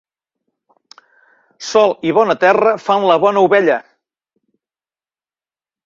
Sol i bona terra fan la bona ovella.